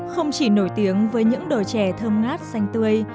không chỉ nổi tiếng với những đồi chè thơm ngát xanh tươi